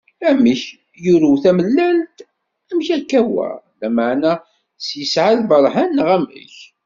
Amek! yuru tamellalt, amek akka wa? Lmeɛna-s yesɛa lberhan neɣ amek?